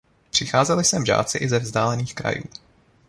Přicházeli sem žáci i ze vzdálených krajů.